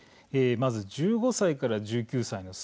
１５歳から１９歳の層